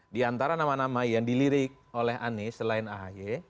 di antara nama nama yang dilirik oleh anies selain ahy